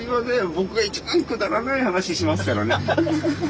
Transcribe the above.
僕が一番くだらない話しますからね。